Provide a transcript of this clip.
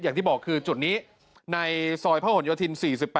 อย่างที่บอกคือจุดนี้ในซอยพระหลโยธิน๔๘